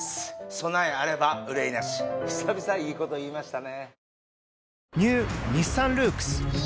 備えあれば憂いなし久々いいこと言いましたね。